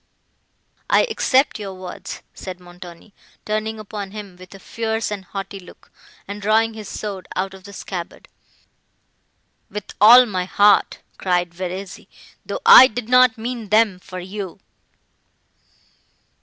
"I accept your words," said Montoni, turning upon him with a fierce and haughty look, and drawing his sword out of the scabbard. "With all my heart," cried Verezzi, "though I did not mean them for you."